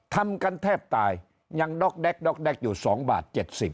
ทำกันแทบตายยังดอกแด๊กอยู่๒บาท๗๐